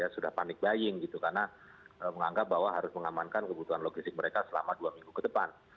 sudah panik buying gitu karena menganggap bahwa harus mengamankan kebutuhan logistik mereka selama dua minggu ke depan